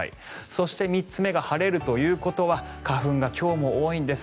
そして、３つ目が晴れるということは花粉が今日も多いんです。